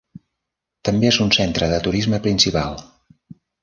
També és un centre de turisme principal.